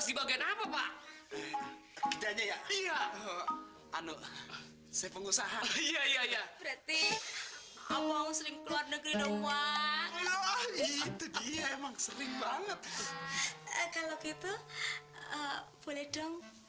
sampai jumpa di video selanjutnya